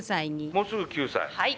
もうすぐ９歳。